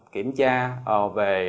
kiểm tra về